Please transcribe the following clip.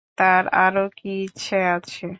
তাঁর আরও কি ইচ্ছা আছে!